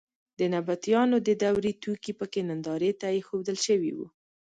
د نبطیانو د دورې توکي په کې نندارې ته اېښودل شوي وو.